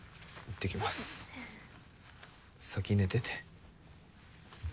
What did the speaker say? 先寝てて。